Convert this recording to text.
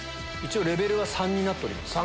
レベルは３になっております。